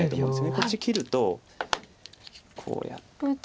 こっち切るとこうやって。